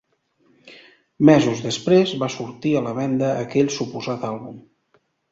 Mesos després, va sortir a la venda aquell suposat àlbum.